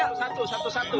satu satu satu